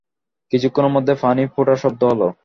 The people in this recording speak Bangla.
কিছুক্ষণের মধ্যেই পানি ফোটার শব্দ হলো।